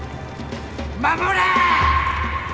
守れ！